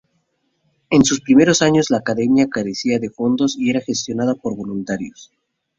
En sus primeros años la Academia carecía de fondos y era gestionada por voluntarios.